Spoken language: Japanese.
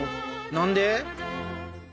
何で？